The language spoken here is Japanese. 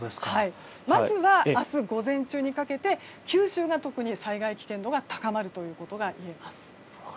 まずは明日午前中にかけて九州が特に災害危険度が高まるということが言えます。